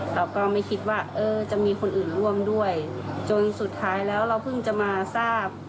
เราก็ไม่คิดว่าเออจะมีคนอื่นร่วมด้วยจนสุดท้ายแล้วเราเพิ่งจะมาทราบ